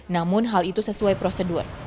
namun hal itu sesuai prosedur